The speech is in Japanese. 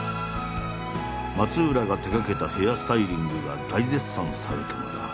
松浦が手がけたヘアスタイリングが大絶賛されたのだ。